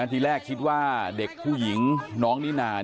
ทีแรกคิดว่าเด็กผู้หญิงน้องนิน่า